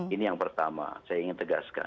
ini yang pertama saya ingin tegaskan